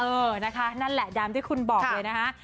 เออนะคะนั่นแหละตามที่คุณบอกเลยนะคะ